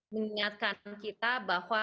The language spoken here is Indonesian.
mengingatkan kita bahwa